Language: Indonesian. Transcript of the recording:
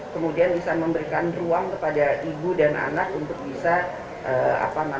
kemudian bisa memberikan ruang kepada ibu dan anak untuk bisa apa namanya